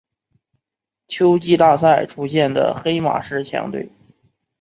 秋季大赛出现的黑马式强队。